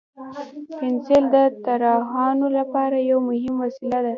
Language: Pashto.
پنسل د طراحانو لپاره یو مهم وسیله ده.